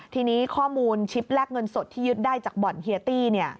ทีนี้ข้อมูลชิปแลกเงินสดที่ยึดได้จากบ่อนเฮียตี้